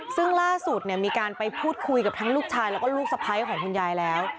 ซึ่งล่าสุดมีการไปพูดคุยกับทั้งลูกชายแล้วก็ลูกสะพ้ายของคุณยายแล้ว